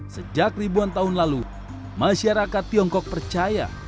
sejak ribuan tahun lalu masyarakat tiongkok percaya